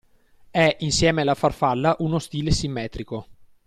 È insieme alla farfalla uno stile simmetrico.